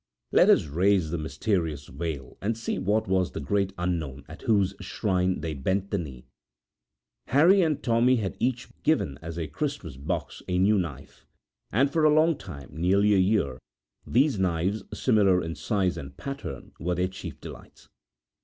Let us raise the mysterious veil and see what was the great Unknown at whose shrine they bent the knee..Harry and Tommy had each been given as a Christmas box a new knife; and for a long time nearly a year these knives, similar in size and pattern, were their chief delights.